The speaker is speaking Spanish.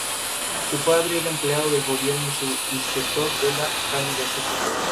Justamente, como el retiro del leñador" que protagoniza su última novela.